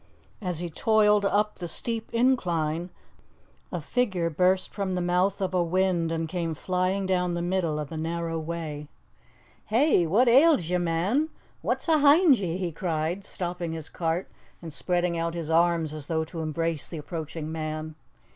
As he toiled up the steep incline, a figure burst from the mouth of a wynd and came flying down the middle of the narrow way. "Hey! what ails ye, man? What's 'ahind ye?" he cried, stopping his cart and spreading out his arms as though to embrace the approaching man.